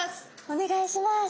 お願いします。